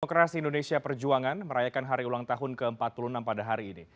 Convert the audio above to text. demokrasi indonesia perjuangan merayakan hari ulang tahun ke empat puluh enam pada hari ini